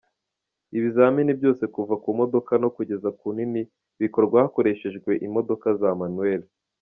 Ibizamini byose kuva ku modoka nto kugeza ku nini, bikorwa hakoreshejwe imodoka za manuel.